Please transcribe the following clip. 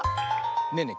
ねえねえ